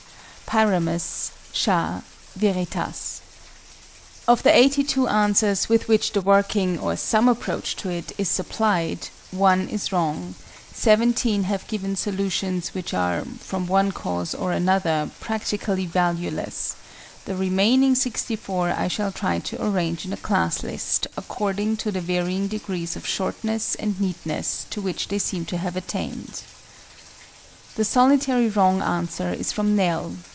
PYRAMUS, SHAH, VERITAS. Of the eighty two answers with which the working, or some approach to it, is supplied, one is wrong: seventeen have given solutions which are (from one cause or another) practically valueless: the remaining sixty four I shall try to arrange in a Class list, according to the varying degrees of shortness and neatness to which they seem to have attained. The solitary wrong answer is from NELL.